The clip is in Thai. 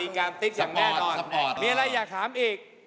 งามติ๊กอย่างแน่นอนมีอะไรอยากถามอีก